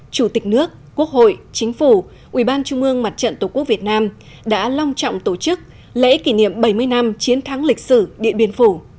chủ tịch nước quốc hội chính phủ ubnd tổ quốc việt nam đã long trọng tổ chức lễ kỷ niệm bảy mươi năm chiến thắng lịch sử điện biên phủ